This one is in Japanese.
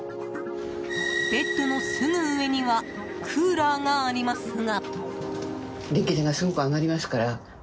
ベッドのすぐ上にはクーラーがありますが。